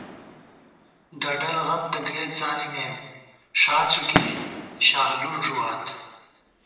ڈَڈل غم تہ گئیت زانِمېم، ݭا څُوکی شاخلُڑ ݫُوات